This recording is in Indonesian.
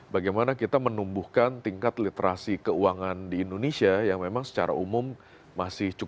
bagaimana kita menumbuhkan tingkat literasi keuangan di indonesia yang memang secara umum masih cukup